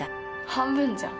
半分じゃん。